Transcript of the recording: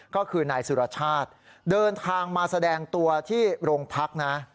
ก็คือนายสุรชาติเดินทางมาแสดงตัวที่โรงพักนะ